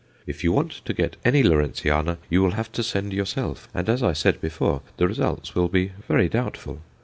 If you want to get any Lawrenceana, you will have to send yourself, and as I said before, the results will be very doubtful.